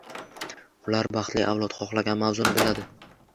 Ular baxtli avlod, xohlagan mavzuni biladi.